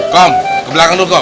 kom ke belakang dulu kok